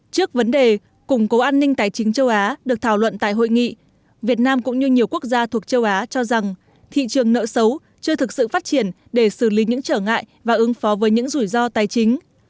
trước vấn đề củng cố an ninh tài chính châu á được thảo luận tại hội nghị việt nam cũng như nhiều quốc gia thuộc châu á cho rằng thị trường nợ xấu chưa thực sự phát triển để xử lý những trở ngại và ứng phó với những rủi ro tài chính